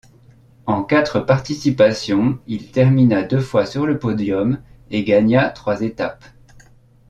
En quatre participations, il termina deux fois sur le podium et gagna trois étapes.